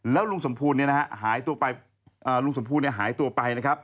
แล้วลุงสมภูลนี่นะครับหายตัวไป